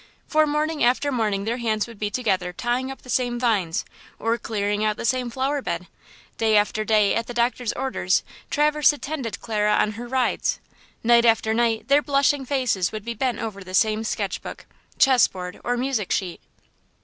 for morning after morning their hands would be together tying up the same vines, or clearing out the same flower bed; day after day at the doctor's orders Traverse attended Clara on her rides; night after night their blushing faces would be bent over the same sketch book, chess board, or music sheet.